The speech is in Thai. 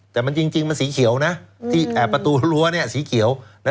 แต่มันจริงครับสีเขียวนะที่แอบประตูหลัวเนี่ยสีเขียว